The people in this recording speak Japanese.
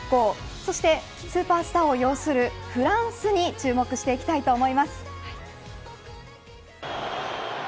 そしてスーパースターを擁するフランスに注目していきたいと思います。